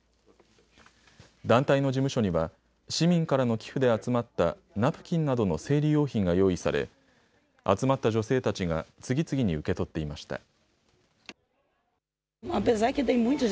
団体の事務所には市民からの寄付で集まったナプキンなどの生理用品が用意され集まった女性たちが次々に受け取っていました。